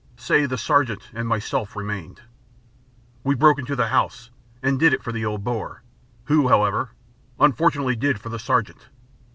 Say the Sergeant and myself remained. We broke into the house and did for the old Boer, who, however, unfortunately did for the Sergeant.